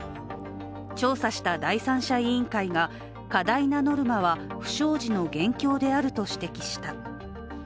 調査した第三者委員会が、過大なノルマは不祥事の元凶であると指摘した。